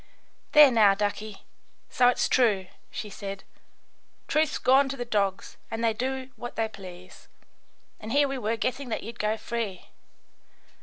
"There, now, ducky, so it's true," she said. "Truth's gone to the dogs and they do what they please, and here we were guessing that you'd go free.